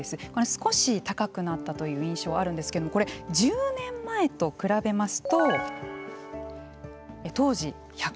少し高くなったという印象があるんですけれどもこれ１０年前と比べますと当時、１３０円。